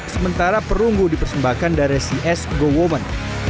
sementara perunggu dipersembahkan dari cs gowomen